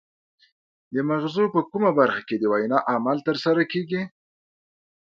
د مغزو په کومه برخه کې د وینا عمل ترسره کیږي